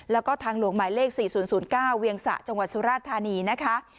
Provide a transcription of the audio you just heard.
แล้วก็ทางหลวงหมายเลข๔๐๐๙เวียงสะจังหวัดสุราธานีนะคะ